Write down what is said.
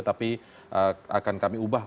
tapi akan kami ubah